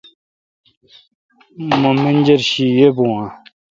مہ منجر شی یی بون اہ؟